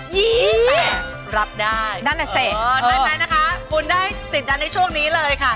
ยี๊แต่รับได้เออใช่ไหมนะคะคุณได้สิทธิ์ดันในช่วงนี้เลยค่ะ